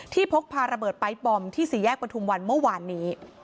พกพาระเบิดไป๊บอมที่สี่แยกประทุมวันเมื่อวานนี้